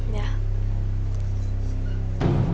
โยกแน่